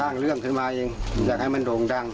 เรื่องขึ้นมาเองอยากให้มันโด่งดัง